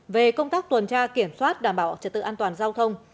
về công tác tuần tra kiểm soát đảm bảo trật tự an toàn giao thông